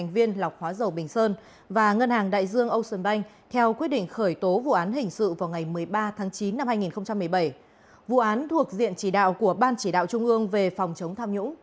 vụ án thuộc diện chỉ đạo của ban chỉ đạo trung ương về phòng chống tham nhũng